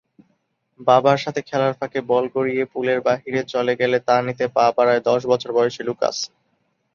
বাবার সাথে খেলার ফাঁকে বল গড়িয়ে পুলের বাইরে চলে গেলে তা নিতে পা বাড়ায় দশ বছর বয়সী লুকাস।